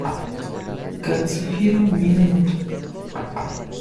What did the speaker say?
Katsuhiro Minamoto